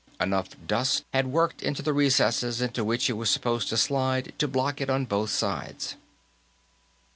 Enough dust had worked into the recesses into which it was supposed to slide to block it on both sides.